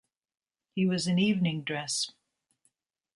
He was in evening dress.